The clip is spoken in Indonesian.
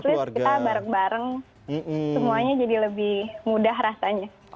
jadi at least kita bareng bareng semuanya jadi lebih mudah rasanya